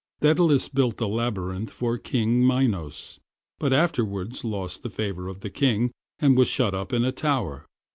Daedalus built the labyrinth for King Minos, but afterwards lost the favor of the king, and was shut up in a tower.